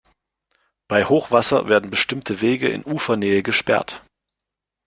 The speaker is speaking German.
Bei Hochwasser werden bestimmte Wege in Ufernähe gesperrt.